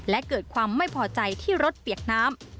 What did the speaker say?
และเกิดความไม่พอใจที่รถเปียกน้ำ